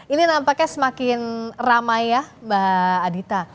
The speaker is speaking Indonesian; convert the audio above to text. ini nampaknya semakin ramai ya mbak adita